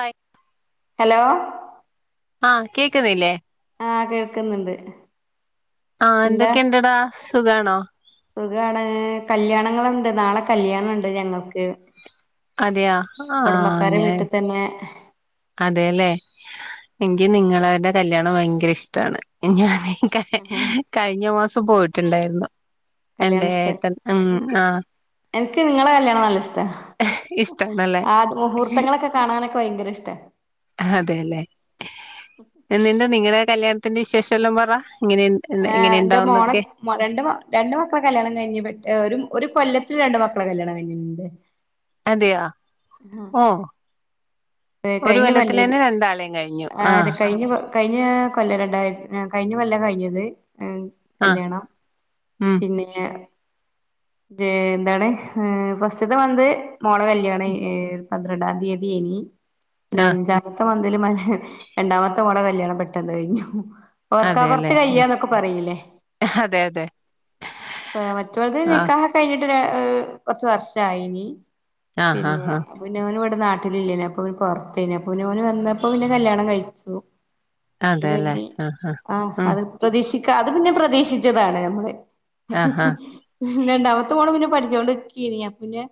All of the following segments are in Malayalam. ആയ് അ ലോ ആഹ് കേക്കുന്നില്ലെ ആഹ് കേൾക്കുന്നുണ്ട് ആഹ് എന്തൊക്കെ ഇണ്ടടാ സുഖാണോ സുഗാ ണ് കല്യാണങ്ങളുണ്ട് നാളെ കല്യാണ ഇണ്ട് ഞങ്ങക്ക് അതെയാ കുടുംബക്കാരെ വീട്ടി തന്നെ അതല്ലെ എൻ ക്ക് നിങ്ങളടെ കല്യാണം ഭയങ്കര ഇഷ്ടാണ് ഞാ കഴിഞ്ഞ മാസം പോയിട്ടുണ്ടായ് രുന്നു എന്റെ ഏട്ടൻ ഉം ആഹ് എൻ ക്ക് നിങ്ങളെ കല്യാണം നല്ല ഇഷ്ട ഇഷ്ടാണല്ലേ ആത് മുഹൂർത്തങ്ങളൊക്കെ കാണാനൊക്കെ ഭയങ്കര ഇഷ്ടാ ഹാ അതെയല്ലെ എന്നിന്റെ നിങ്ങളെ കല്യാണത്തിന്റെ വിശേഷം എല്ലാം പറ ഇങ്ങനെ- എന്നെ എങ്ങനെ ഇണ്ടാവുന്നൊക്കെ മ രണ്ട് മാ രണ്ട് മക്കളെ കല്യാണം കഴിഞ്ഞത് പെ ഒര് ഒരു കൊല്ലത്തിൽ രണ്ട് മക്കളെ കല്യാണം കഴിഞ്ഞിണ്ട് അതെയാ ഉം ഏഹ് ഒരു കഴിഞ്ഞു കൊല്ലത്തിൽ പല്ലേല് തന്നെ രണ്ടാളെയും കഴിഞ്ഞു ആരെ ആഹ് കഴിഞ്ഞു പ കഴിഞ്ഞാ കൊല്ലാടിണ്ടാരു രണ്ടായിരം കഴിഞ്ഞ കൊല്ലാ കഴിഞ്ഞത് ആഹ് കല്യാണം ഉം പിന്നേ ന്നേ എന്താണ് ഏഹ് ഫസ്റ്റത്തെ മന്ത് മോളേ കല്യാണായി- പന്ത്രണ്ടാം തീയതി ഇനി പിന്നെ ആഹ് അഞ്ചാം [unintelligible] മന്തീല് മ രണ്ടാമത്തെ മോൾടെ കല്യാണം പെട്ടെന്നഴിഞ്ഞു ഓർക്കപൊറത്ത് അതെല്ലേ കഴിയുക എന്നൊക്കെ പറയില്ലേ അതെ അതെ മറ്റുപോലതെന്ന ആഹ് കഴിഞ്ഞിട്ടൊരാ കൊറച്ച് വർഷായിനി ആഹ് ആഹ് പിന്നെ ആഹ് പിന്നോനിവടെ നാട്ടിലില്ലേന് അപ്പം പുറത്തേനു അപ്പോനു വന്നപ്പോ പിന്നെ കല്യാണം കഴിച്ചു അത് അതെല്ലേ കഴിഞ്ഞി ആഹ് ആഹ് ആഹ ഉം അത് പ്രതീക്ഷിക്കാ അത് പിന്നെ പ്രതീക്ഷിച്ചതാണ് നമ്മളെ ആഹ് ആഹ് രണ്ടാമത്തെ മോള് പിന്നെ പഠിച്ചോണ്ടിക്കീനിഅപ്പിന്നെ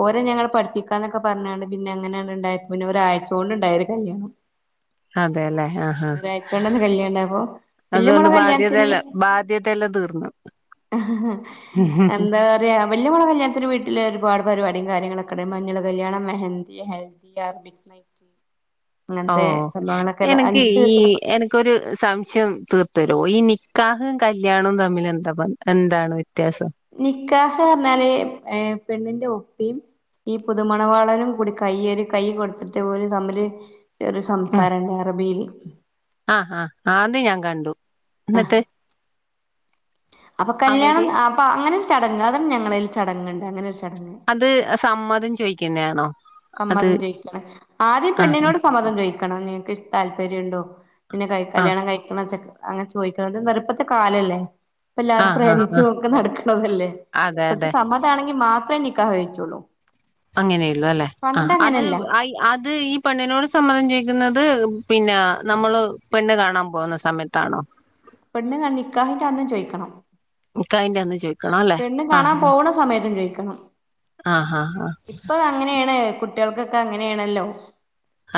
ഓരെ ഞങ്ങള് പഠിപ്പിക്കാന്നൊക്കെ പറഞ്ഞാണ്ട് പിന്നെ അങ്ങനെയാണ് ഇണ്ടായപ്പോ പിന്നെ ഒരാഴ്ച്ച കൊണ്ടിണ്ടായൊരു കല്യാണം അതെയല്ലേ ആഹ് ആഹ് ഒരാഴ്ച കൊണ്ടന്നെ കല്യാണം ഇണ്ടായപ്പോ വല്യ അതുകൊണ്ട് മോളെ കല്യാണത്തിന് ബാധ്യതേലാ ബാധ്യതെല്ലാം തീർന്ന് എന്താ ഏറിയ വല്ല്യമോളെ കല്യാണത്തിന്റെ വീട്ടില് ഒരുപാട് പരിപാടി കാര്യങ്ങളൊക്കെ ഒണ്ട് മഞ്ഞള് കല്യാണം മെഹന്തി ഹെ- ദി ആർ ബിറ്റ് മൈറ്റ് ഓ എനക്ക് അഞ്ചു ഈ ദിവസത്തെ എന- ക്കൊരു സംശയം തീർത്തരുവോ ഈ നിക്കാഹും കല്യാണവും തമ്മിൽ എന്താ ബന്ധം എന്താണ് വ്യത്യാസം നിക്കാഹ്റഞ്ഞാലെ ഏഹ് പെണ്ണിന്റെ ഉപ്പയും ഈ പുതുമണവാളനും കൂടി കൈയൊരു കൈ കൊടുത്തിട്ട് ഓല് തമ്മില് വെറു സംസാരുണ്ട് അറബിലെ ആഹാ ആഹാ ആദ്യേ ഞാൻ കണ്ടു എന്നിട്ട് അപ്പൊ അവര് കല്യാണം അപ്പാ അങ്ങനൊരു ചടങ്ങ് അതും ഞങ്ങളിൽ ചടങ്ങിണ്ട് അങ്ങനൊരു ചടങ്ങ് അത് സമ്മതം ചോയിക്കുന്നെയാണോ സമ്മതം ചോയിക്കണേ ആദ്യം ആഹ് പെണ്ണിനോട് സമ്മതം ചോയിക്കണം നിനക്ക് ഇഷ് താല്പര്യണ്ടോ പിന്നെ കയ് ആഹ് കല്യാണം കഴിക്കണം ച്ചെക്കെ അങ്ങനെ ചോയിക്കണത് നിറുപ്പത്തെ കാലല്ലേ ഇപ്പെല്ലാവരും ആഹ് ആഹ് പ്രേമിച്ചു ആഹ് ഒക്കെ നടക്കണതല്ലേ അതെ അതെ ഇപ്പക്ക് സമ്മതമാണെങ്കിൽ മാത്രേ നിക്കാഹഴിച്ചോള്ളൂ അങ്ങനെയൊള്ളൂ അല്ലെ ആഹ് അത് അങ്ങനെയല്ല അയ് അത് ഈ പെണ്ണിനോട് സമ്മതം ചോയിക്കുന്നത് പിന്നാ നമ്മള് പെണ്ണ് കാണാൻ പോവുന്ന സമയത്താണോ പെണ്ണ് കാണ്ണി നിക്കാഹിൻ്റെ അന്നും ചോയിക്കണം നിക്കാഹിൻ്റെ അന്ന് ചോയ് പെണ്ണും കാണാൻ പോവുണ സമയത്തും ചോയിക്കണം ആ ആ ആ ഇപ്പളാ- അങ്ങനെയാണ് കുട്ടിയൾക്കൊക്കെ അങ്ങനെയാണല്ലോ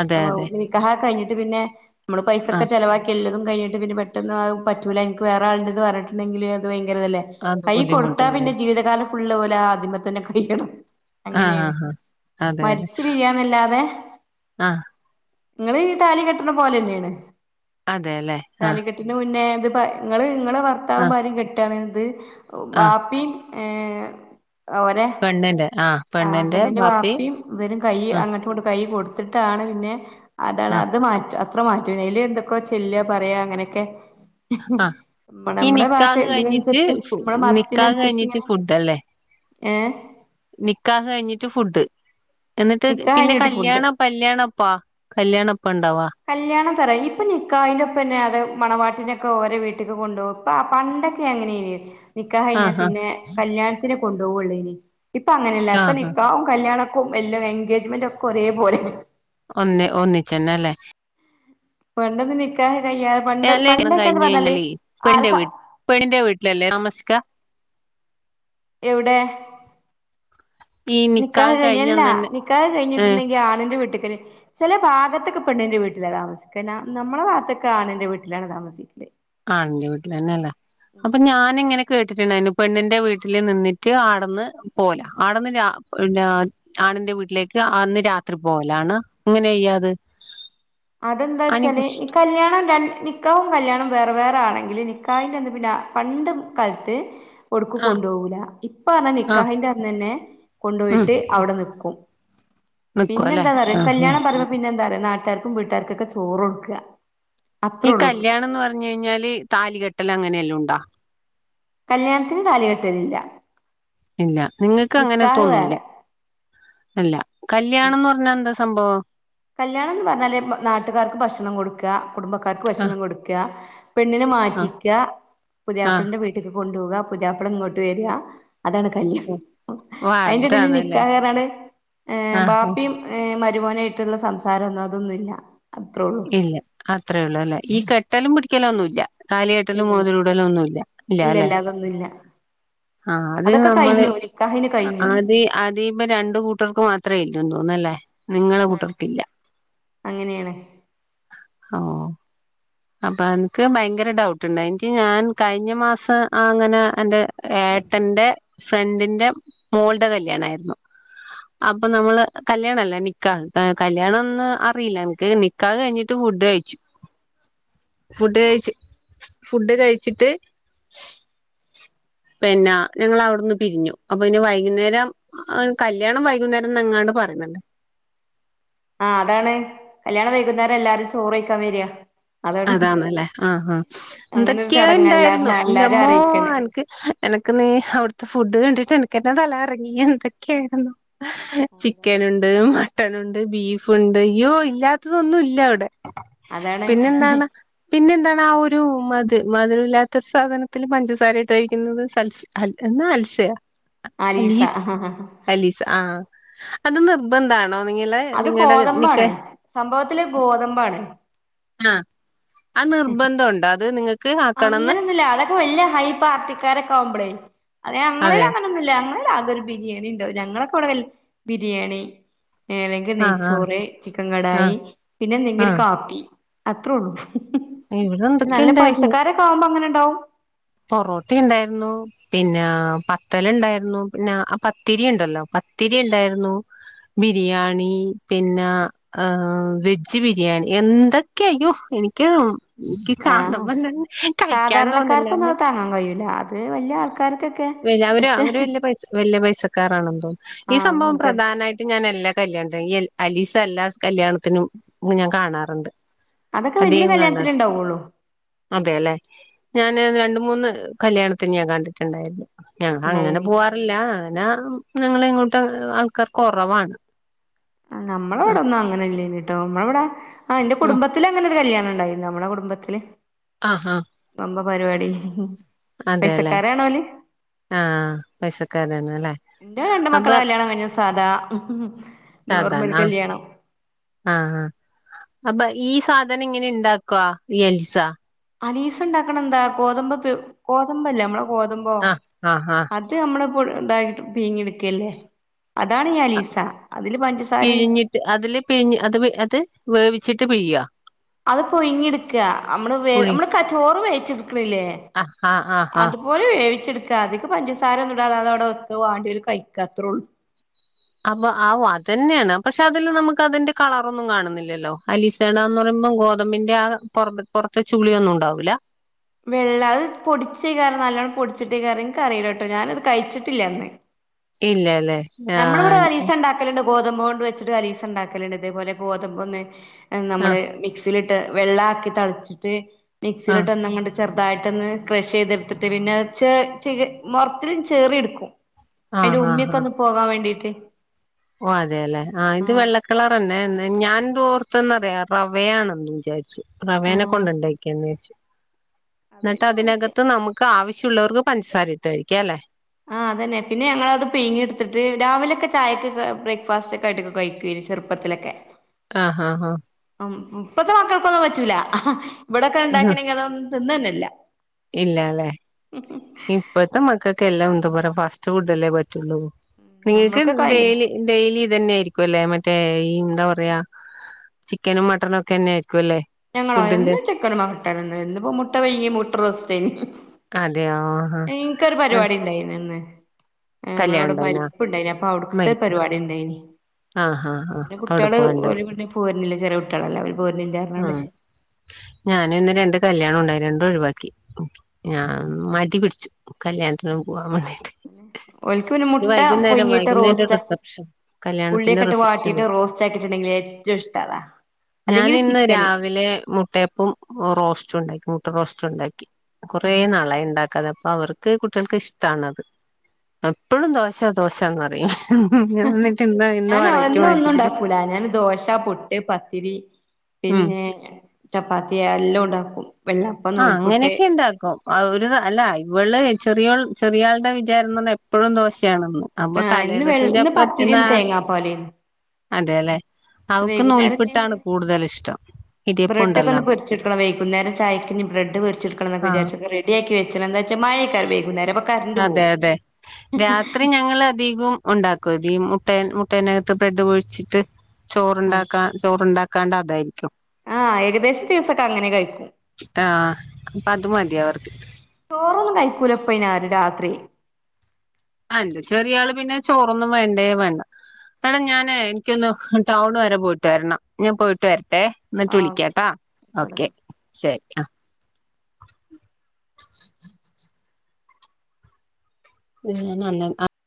അതെ അപ്പോ അതെ നിക്കാഹൊക്കെ കഴിഞ്ഞിട്ട് പിന്നെ നമ്മള് ആ പൈസൊക്കെ ചെലവാക്കില്ലതും കഴി- പിന്നെ പെട്ടന്ന് അത് പറ്റൂല്ല എനിക്ക് വേറെ ആളിണ്ടെന്ന് പറഞ്ഞിട്ടുണ്ടെങ്കില് അത് പയങ്കരവല്ലേ [unintelligible] കൊടുത്താ പിന്നെ ജീവിതകാലം ഫുളള് പോലെ ആദ്യമതന്നെ കഴിയണം ആ ആ അങ്ങനെയാണ് ആ അതെ അതെ മരിച്ചു പിരിയാ എന്നല്ലാതെ ആ നിങ്ങളെ താലി കെട്ടണ പോലെന്നെയാണ് അതെയല്ലേ ആഹ് ട്ട്ന് മുന്നേ അത് പ ഇങ്ങള് ഇങ്ങള് ആ ഭർത്താവും ഭാര്യം കെട്ടാണ് ഇത് ആ ബാപ്പിം ഏഹ് അവരെ പെണ്ണ്ന്റെ ആഹ് പെണ്ണ്ന്റെ പിന്നെ എന്റെ ബാപ്പിം വാപ്പിയും ഇവരും കയ്യ് അങ്ങട്ടും ങ്ങട്ട് കൈ കൊട്ത്തിട്ടാണ് പിന്നെ അതാണ് ആ അത് മാറ്റ അ ത്ര മാറ്റണ്ട് അയില് എന്തൊക്കൊ ചെല്ലാ പറയാ അങ്ങനെക്കെ ആ മ്മടെ ഈ മ്മളെ ഭാഷ നിക്കാഹ് കഴിഞ്ഞിട്ട് ഇതിനൻസര്ച്ച് ഫു മ്മളെ മതത്തിന് നിക്കാഹ് അനുസര്ച്ച് കഴിഞ്ഞിട്ട് ഇങ്ങനെ ഫുഡ് അല്ലേ ഏഹ് നിക്കാഹ് ഴിഞ്ഞിട്ട് ഫുഡ് എന്നിട്ട് നിക്കാഹ് പിന്നെ കഴിഞ്ഞിട്ട് ഫുഡ് കല്യാണം കല്ല്യാണപ്പാ കല്യാണപ്പാണ്ടാവാ കല്യാണ ചെറ ഇപ്പ നിക്കാഹിന്റെപ്പന്നെ അത് മണവാട്ടിനൊക്കെ ഓരെ വീട്ട്ക്ക് കൊണ്ടോ പ പണ്ടൊക്കെ എങ്ങനേനി നിക്കാഹ് കഴിഞ്ഞാ ആഹാ പിന്നെ കല്യാൺത്തിന് കൊണ്ടോവൊള്ളേനി. ഇപ്പ അങ്ങനെല്ല ഇപ്പ ആഹാ നിക്കാഹും കല്ല്യാണൊ ക്കും എല്ലും എൻഗേജ്മെന്റ് ഒക്കെ ഒരേ പോലെ ഒന്ന് ഒന്നിച്ചെന്നല്ലേ പണ്ടൊന്ന് നിക്കാഹ് കയ്യാതെ പണ്ട് അല്ലെ പണ്ടൊക്കെ എന്ന് പറഞ്ഞാല് ആരെ പെണിന്റെ വീട്ടിലല്ലേ താമസിക്കാ എവ്ടെ? ഈ നിക്കാഹ് കഴിഞ്ഞ്‌ എല്ലാ കഴിഞ്ഞന്നന്നെ നിക്കാ ഏഹ് കഴിഞ്ഞിട്ട്ണ്ടെങ്കി ആണിന്റെ വീട്ട്ക്കല് ചെല ഭാഗത്ത്ക്കെ പെണ്ണിന്റെ വീട്ടിലാ താമസിക്കാ. നമ്മളെ ബാത്തൊക്ക ആണ്ന്റെ വീട്ടിലാണ് താമസിക്കല് ആണ്ന്റെ വീട്ടിലെന്നെല്ലെ അപ്പൊ ഞാനിങ്ങനെ കേട്ടിട്ടുണ്ടായിന് പെണ്ണിന്റെ വീട്ടില് നിന്നിട്ട് ആട്ന്ന് പോല ആട്ന്ന് രാ [unintelligible] ആണിന്റെ വീട്ട്ലേക്ക് അന്ന് രാത്രി പോവലാണ്. എങ്ങനെയ്യാത് അതെന്താച്ചാല് ഇ കല്യാണം ര നി ക്കാഹും കല്യാണും വേറെ വേറെ ആണെങ്കില് നിക്കാഹിന്റെ അന്ന് പിന്നെ പണ്ട് കാൽത്ത് ഒട്ക്കും ആഹ് കൊണ്ടോവൂല. ഇപ്പാർഞ്ഞാ ആഹ് നിക്കാഹിന്റെ അന്നന്നെ ഉം കൊണ്ടൊയിട്ട് അവ്ടെ നിക്കും. നിക്കുവല്ലേ പിന്നെന്താന്നറിയൊ ആഹ് ആഹ് കല്യാണം പറിമ്പം പിന്നെന്താറിയൊ നാട്ടാര്ക്കും വീട്ടാര്ക്കൊക്കെ ചോറൊട്ക്കാ ഈ കല്യാണന്ന് പർഞ്ഞഴിഞ്ഞാല് താലികെട്ടല് അങ്ങനെല്ലെ ഉണ്ടാ? കല്യാൺത്തിന് താലികെട്ടലില്ല. ഇല്ല നിങ്ങക്ക് അങ്ങനെത്തൊ ഒന്നുല്ല. വേറെ ഇല്ല കല്യാണംന്ന് പറഞ്ഞാ എന്താ സംഭവം? കല്യാണംന്ന് പർഞ്ഞാല് നാട്ട്കാർക്ക് ഭക്ഷണം കൊട്ക്കാ കുടുംബക്കാർക്ക് ആഹ് ഭക്ഷണം കൊട്ക്കാ പെണ്ണിനെ ആഹ് മാറ്റിക്കാ ആഹ് പുതിയാപ്പൾന്റെ വീട്ട്ക്ക് കൊണ്ടോകാ പുതിയാപ്പള ഇങ്ങോട്ട് വരാ അതാണ് കല്യാണം ഓ ഓ അയിന്റെ എടീല് അതാണല്ലേ നിക്കാഹ് അർഞ്ഞാണ്ട് ആഹ് ബാപ്പിം ഏ മരുമോനായിട്ടുള്ള സംസാരംന്നും അതൊന്നുല്ല. ഇല്ല അത്രേ ഒള്ളൂ അല്ലേ. ഈ കെട്ടലും പിടിക്കലൊന്നുല്ല. താലികെട്ടലും ഇല്ലില്ല മോതിരടലും ഒന്നുംല്ല ഇല്ല അല്ലെ. ഇല്ലില്ല അതൊന്നുമില്ല ആദ്യ അതൊക്കെ നമ്മള് കഴിഞ്ഞു നിക്കാഹിന് കഴിഞ്ഞു അതി അതീമ്മ രണ്ടു കൂട്ടർക്ക് മാത്രേ ഇല്ലന്നു തോന്നുല്ലേ നിങ്ങളെ കൂട്ടർക്കില്ല. അങ്ങനേണ്. ഓഹ് അപ്പ ഇൻക്ക് ഭയങ്കര ഡൗട്ട്ണ്ടായി ഇൻക്ക് ഞാൻ കഴിഞ്ഞ മാസം അങ്ങനെ എന്റെ ഏട്ടന്റെ ഫ്രണ്ടിന്റെ മോള്ടെ കല്യാണായ്രുന്നു. അപ്പ നമ്മള് കല്യാണല്ല നിക്കാഹ് കല്യാണന്ന് അറീല ഇൻക്ക് നി ക്കാഹ് കഴിഞ്ഞിട്ട് ഫുഡ് കഴിച്ചു. ഫുഡ് കഴിച്ച് ഫുഡ് കഴിച്ചിട്ട് പിന്നെ ഞങ്ങള് അവിട്ന്ന് പിരിഞ്ഞു. അപ്പന്നെ വൈകുന്നേരം അഹ് കല്യാണം വൈകുന്നേരന്നങ്ങാണ്ട് പറയുന്ന്ണ്ട് ആഹ് അതാണ് കല്യാണം വൈകുന്നേരല്ലാരും ചോറൈക്കാം വെരാ. അതാന്ന്ല്ലേ ആഹ് ആഹ് അങ്ങനെ ഒരു ചടങ്ങാ എന്തെക്ക്യോഇണ്ടായിര്ന്നു എല്ലാരും എല്ലാരും ഇന്റെമ്മോ അറിയിക്കണേ ഇൻക്ക് എനക്ക് ന്ന് അവ്ട്ത്തെ ഫുഡ് കണ്ട്ട്ടെൻക്കെന്നെ തല കറങ്ങി എന്തെക്ക്യൊയിര്ന്നു. ചിക്കന്ണ്ട് മ ട്ടന്ണ്ട് ബീഫ്ണ്ട് അയ്യോ ഇല്ലാത്തതൊന്നുല്ല വടെ അതാണ് പിന്നെ ന്താണ് പിന്നെ ന്താണ് ആ ഒരു മത് മധുരുല്ലാത്ത സാധനത്തില് പഞ്ചസാരിട്ട് കഴിക്കുന്നത് സൽ ഹൽ എന്നാ അൽസെയ ആലീസ ആഹാ ഹാ ഹാ അലീസ ആഹ് അത് നിർബന്ധാണോ നിങ്ങളെ നിങ്ങടെ നിക്ക സംഭവത്തിലത് ഗോതമ്പാണ്. ആഹ് അത് നിർബന്ധൊണ്ടോ അത് നിങ്ങ അങ്ങനെയൊന്നുല്ല അതൊക്കെ വെല്ല്യെ ഹൈ പാർട്ടിക്കാരൊക്കാവുമ്പളേ അത് അതെ അമ്മള്ളേലങ്ങനൊന്നുല്ല അമ്മള് ആകൊരു ബിരിയാണിണ്ടാവും ഞങ്ങളക്കവടെ വെൽ ബിരിയാണി എഹ് അല്ലെങ്കിൽ ആഹ് ആഹ് നെയ്ച്ചോറ് ചിക്കൻ ആഹ് കടായി പിന്നെ ആഹ് എന്തെങ്ക്യൊരു കാപ്പി അത്രോള്ളൂ. ഇവടെ എന്തൊക്കെണ്ടായിര്ന്നു. അതൊകാവുമ്പോ അങ്ങനെണ്ടാവും പൊറോട്ടി ണ്ടായിര്ന്നു. പിന്നെ പത്തല്ണ്ടായിര്ന്നു പിന്നെ ആ പത്തിരിണ്ടല്ലോ പത്തിരി ണ്ടായിര്ന്നു. ബിരിയാണി പിന്ന ആഹ് വെജ് ബിരിയാണി എന്തൊക്കയ്യോ എനിക്ക് ഇൻക്ക് ആഹ് കാണുമ്പോതന്നെ കഴിക്കാൻ സാധാരണക്കാർക്കൊന്നും തോന്ന്ല്ലന്നെ അത് താങ്ങാൻ കയ്യൂല പിന്ന അവര് അവര് വെല്ല്യെ പൈസ വെല്ല്യെ പൈസക്കാറാണന്ന് തോന്നും ഈ ആഹ് സംഭവം അങ്ങനത്തെ പ്രധാനായി ഇങ്ങനെ എല്ലാ കല്യാണത്തി [unintelligible] അലീസെല്ലാ കല്യാണത്തിനും ഞാൻ കാണാറ്ണ്ട്. അതൊക്കെ വെല്ല്യെ കല്യാണത്തിന്ണ്ടാവൊള്ളു. അതെല്ലെ ഞാന് രണ്ട് മൂന്ന് കല്യാണത്തിന് ഞാൻ കണ്ടിട്ട്ണ്ടായിര്ന്നു. ഞങ്ങ അങ്ങനെ ഉണ്ടായില്ല പോവാറില്ല അങ്ങനെ ഞങ്ങള ഇങ്ങോട്ട് ആൾക്കാര്ക്കൊറവാണ്. ആഹ് നമ്മളവിടൊന്നങ്ങനെല്ലേനി ട്ടോ നമ്മളെവടെ ആഹ് ഇന്റെ ഉം കുടുംബത്തില് അങ്ങനൊരു കല്യാണണ്ടായിന്നു അമ്മളെ കുടുംബത്തില് ആഹാ മ്പപ പരിവാട്യേനി. അതെല്ലേ ആഹ പൈസക്കാരെന്നുല്ലേ ഇന്റെ രണ്ട് മക്കളാ കല്യാണം കഴിഞ്ഞു സാധാ നോർമൽ സാധണാ കല്യാണം ആഹ് ആഹ് അപ്പ ഈ സാധനിങ്ങനെണ്ടാക്കുവ ഈ എൽസ അലീസ ണ്ടാക്കണെന്താ ഗോതമ്പ്ക്ക് ഗോതമ്പല്ലേ നമ്മളെ ഗോതമ്പോ ആഹ് ആഹ് ആഹ് അത് അമ്മള് പുഴു ണ്ടായിട്ട് പീങ്ങിട്ക്കല്ലേ അതാണ് ഈ അലീസ അതില് പഞ്ചസാരിം റ്റ് അതില് പിഞ്ഞ് അത് വ് അത് വേവിച്ചിട്ട് പിഴാ അത് പുഴ്ങ്ങിട്ക്ക അമ്മള് വേ പുഴി അമ്മള് ക ച്ചോറ് വേവിച്ച്ട്ക്ക്ണില്ലേ ആഹ് ആഹ് ആഹ് ആഹ് അത് പോലെ വേവിച്ച്ട്ക്ക അതിക്ക് പഞ്ചസാരൊന്നുടാതെ അതവടെ വെക്ക വാണ്ടോര് കഴിക്കാ അത്രൊള്ളൂ. അപ്പൊ ആവു അതെന്നെണ് പക്ഷെ അതില് നമക്കതിന്റെ കളറൊന്നും കാണ്ന്നില്ലല്ലോ അലീസണന്ന് പറ ഗോതമ്പിൻ്റാ പൊറത്ത് പൊറത്ത് ചുള്യൊന്നുണ്ടാവൂല്ല. വെള്ളം അത് പൊടിച്ചേക്കാരം നല്ലോണ്ണം പൊടിച്ച്ട്ടേക്കാരം ഇൻക്കറീലട്ടോ ഞാനത് കഴിച്ചിട്ടില്ലന്ന് ഇല്ല അല്ലേ നമ്മളിവിടെ ഒരീസണ്ടാ ലുണ്ട് ഗോതമ്പ് കൊണ്ട് വച്ചിട്ട് അലീസ ഉണ്ടാക്കലണ്ട്തേപോലെ ഗോതമ്പ്ന്ന് നമ്മള് ആഹ് മിക്സ് സിലിട്ട് വെള്ളാക്കിതിളച്ചിട്ട് ആഹ് മിക്സിയിലിട്ട് ഒന്നങ്കണ്ട് ചെറുതായിട്ടൊന്ന് ക്രഷ് ചെയ്തെടുത്തിട്ട് പിന്നെ ചെ ചേ മുറത്തിലും ചേറി എടുക്കും അതിന്റെ ആഹ് ആഹ് ഉമ്മിയൊക്കെ ആഹ് ഒന്ന് പോകാൻ വേണ്ടീട്ട് ഓ അതെ അല്ലെ ആഹ് ഇത് വെള്ള കളറെന്നെ എന്നാ ഞാൻന്തോഓർത്തന്നറിയാ റവയാണെന്ന് വിചാരിച്ചു. റവേന ആഹ് കൊണ്ട് ഉണ്ടാക്കിയന്ന് വെച്ചു. അത് എന്നിട്ട് പിന്നെ ഓൽക്ക് അതിനകത്ത് നമുക് ക്കാവശ്യോള്ളോർക്ക് പഞ്ചസാരയിട്ട് കഴിക്കാം അല്ലെ ആഹ് അതന്നെ പിന്നെ ഞങ്ങളത് പിഴിങ്ങി എടുത്തിട്ട് രാവിലത്തെ ചായക്കൊക്കെ ബ്രേക്ക്ഫാസ്‌റ്റോക്കെ ആയിട്ടൊക്കെ കഴിക്കുവെരു ചെറുപ്പത്തിലൊക്കെ ആഹ് ആഹ് ആഹ് മ് ഇപ്പത്തെ മക്കൾക്കൊന്നും പറ്റൂല ഇവിടൊക്കെ ഇണ്ടാക്കണെങ്കി അതൊന്നും തിന്ന തന്നെല്ല ഇല്ലാല്ലേ ഇപ്പഴത്തെ മക്കക്ക് എല്ലാം എന്താ പറ ഫാസ്റ്റ് ഫുഡല്ലേ പറ്റുള്ളൂ നിങ്ങക്ക് നമ്മൾക്കൊക്കെ ഭയങ്കര ഇഷ്ട ഡെയിലി ഡെയിലി ഇതന്നെ ആയിരിക്കും അല്ലെ മറ്റേ ഈ എന്താ പറയാ ചിക്കനും മട്ടനും ഒക്കെന്നെ ആയിക്കുല്ലേ ഞങ്ങളോ എന്നും ചിക്കനും മട്ടനോന്നും ഇന്നിപ്പോ മുട്ട പുഴുങ്ങി മുട്ട റോസ്‌റ്റേനി അതെയോ ഇൻക്കൊരു അൽ പരിപാടി ഇണ്ടായിനിന്ന് കല്യാണം നമ്മളവിടെ ഉണ്ടായിനാ മരിപ്പുണ്ടായിന് അപ്പൊ അവിടുത്തെ മരിപ്പ പരിപാടി ഇണ്ടായിനി ആഹാ ആ പിന്നെ അവിടെ കുട്ടിയള് ഓല് പോവാണ്ടായിരുന്നു പിന്നെ പോരുണില്ല ചെറിയ കുട്ടിയളല്ലെ അവര് പോരുണില്ല ആ പറഞ്ഞാണ്ട് ഞാനും ഇന്ന് രണ്ട് കല്യാണം ഒണ്ടായി രണ്ടും ഒഴിവാക്കി ഞാൻ മാറ്റി പിടിച്ചു. കല്യാണത്തിനു പോവാൻ വേണ്ടിട്ട് തന്നെ ഒല്ക്ക് ഒരു മുട്ട വൈകുന്നേരം പുഴുങ്ങിട്ട് വൈകുന്നേരം റോസ്റ്റ് റിസപ്ഷൻ കല്യാണത്തിന്റെ ഉള്ളിയൊക്കെ ഇട്ട് റിസപ്ഷന് വാട്ടിട്ട് റോസ് റ്റാക്കിട്ടുണ്ടെങ്കില് ഏറ്റോം ഇഷ്ടതാ ഞാൻ ഇന്ന് രാവിലെ മുട്ടയപ്പോം റോസ്റ്റുണ്ടാക്കി മുട്ട റോസ്റ്റുണ്ടാക്കി കൊറേ നാളായി ഇണ്ടാക്കാതെ അപ്പൊ അവർ ക്ക് കുട്ടികൾക്ക് ഇഷ്ടാണത്. എപ്പോഴും ദോശ ദോശന്നറിയും ഞാൻ ഒന്നും ഒന്നും മാറ്റിപ്പിടിച്ച് ഉണ്ടാക്കൂല ഞാൻ ദോശ പു എഹ് പത്തിരി ഉം പിന്നെ ചപ്പാത്തി അഎല്ലോണ്ടാക്കും ആഹ് അങ്ങനെയൊക്കെണ്ടാക്കും അവര് അല്ല ഇവള് ചെറിയോൾ ചെറിയാൾടെ വിചാരം ന്ന് പറഞ്ഞ എപ്പഴും ദോശയാണെന്ന് അപ്പൊ ആഹ് ഇന്ന് വെ തലേദിവസം ഇന്ന് ചപ്പത് എന്നാ പത്തിരിയും തേങ്ങാപ്പാലേന്നു അതെലേ അവക്ക് വൈകുന്നേരം ഞാൻ നൂൽപുട്ടാണ് കൂടുതൽ ഇഷ്ടം ഇടിയപ്പണ്ടല്ലോ ജ് വെക്കണം വൈകുന്നേം ചായക്ക് ഇനി ബ്രഡ് പൊരിച്ചെട്ക്കണംന്ന് ഒക്കെ ആ വിചാരിച്ച് ഇത് റെഡിയാക്കി വെച്ചണം എന്താച്ചാ മഴയാക്കാരം വൈകുന്നേരം അപ്പം അതെ അതെ രാത്രി ഞങ്ങളധികോം ഒണ്ടാക്കും അതി മുട്ടെ മുട്ടെനകത്ത് ബ്രെഡ് പൊഴിച്ചിട്ട് ആഹ് ചോറുണ്ടാക്ക ചോറണ്ടാ ക്കാണ്ട അതായിരിക്കും ആഹ് ഏകദേശ ദിവസൊക്കെ അങ്ങനെ കഴിക്കും ആഹ് അപ്പൊ അത് മതി അവർക്ക് ചോറൊന്നും കഴിക്കൂലപ്പയിനാരും രാത്രി അന്റെ ചെറിയ ആള് പിന്നെ ചോറൊന്നും വേണ്ടേ വേണ്ട എടാ ഞാന് എനിക്കൊന്ന് ടൗണ് വരെ പോയിട്ട് വരണം ഞാൻ പോയിട്ട് വരട്ടെ ന്നിട്ട് ആഹ് വിളിക്കാട്ടോ ഓക്കെ. ഓക്കേ ശരി ആഹ് നിന്നെ ഞാൻ അല്ലാ ആഹ്